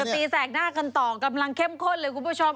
ตีแสกหน้ากันต่อกำลังเข้มข้นเลยคุณผู้ชม